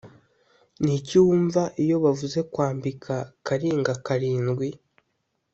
ni iki wumva iyo bavuze kwambika karinga karindwi’